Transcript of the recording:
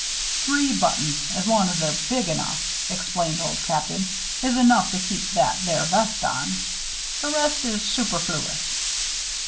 "Three buttons as long as they're big enough," explained Old Captain, "is enough to keep that there vest on. The rest is superfloo us.